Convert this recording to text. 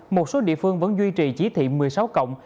một số địa phương vẫn duy trì chỉ thị một mươi sáu cộng